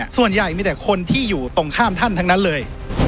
ส่วนใหญ่มีแต่คนที่อยู่ตรงข้ามท่านทั้งนั้นเลย